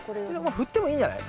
振ってもいいんじゃない？